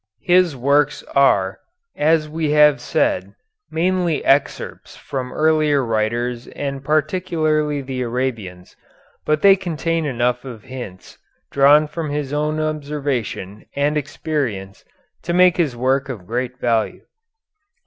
His works are, as we have said, mainly excerpts from earlier writers and particularly the Arabians, but they contain enough of hints drawn from his own observation and experience to make his work of great value.